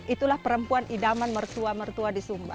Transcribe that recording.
itulah perempuan idaman mertua mertua di sumba